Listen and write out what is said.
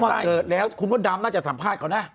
เขามาเกิดแล้วคุณพ่อดำน่าจะสัมภาษณ์ก่อนนะ